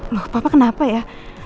loh papa kenapa ya